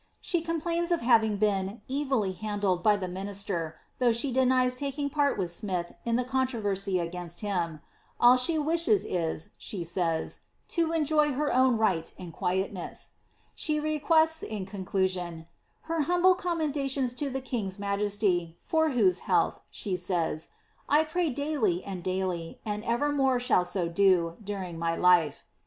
She eomplains of having been ^ evilly handled'' by the minister, though she denies taking part with Smith in the controversy against him. All die wishes is, she says, ^ to enjoy her own right m quietness.'' She requests, in conclusion, ^ her humble commendations to the king's omf jesty, for whose health," she says, ^ I pray daily and daily, and ever more shall so do, during my life.